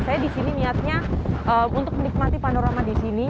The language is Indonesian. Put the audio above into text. saya disini niatnya untuk menikmati panorama disini